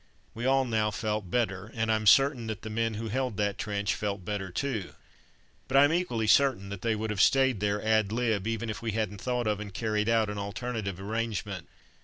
We all now felt better, and I'm certain that the men who held that trench felt better too. But I am equally certain that they would have stayed there ad lib even if we hadn't thought of and carried out an alternative arrangement.